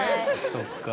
そっか。